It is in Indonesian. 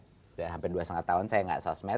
sudah hampir dua lima tahun saya nggak sosmed